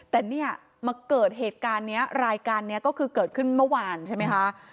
แต่เนี่ยมาเกิดเหตุการณ์นี้รายการนี้ก็คือเกิดขึ้นเมื่อวานใช่ไหมคะ